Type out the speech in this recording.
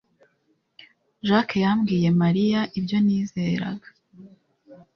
Jack yambwiye Mariya ibyo nizeraga